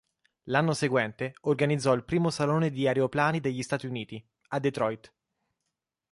L'anno seguente, organizzò il primo salone di aeroplani degli Stati Uniti, a Detroit.